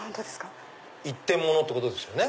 一点物ってことですよね。